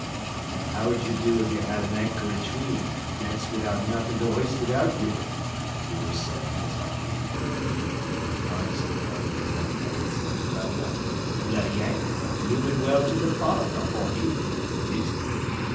"An' how'd ye do if ye had an anchor atween, decks widout nothin' to hoist it out wid?" he was saying as I came in. Hans affirmed, with many oaths, that he'd let the "bloody hancor go bloomin' well to the bottom before he'd fool wid it."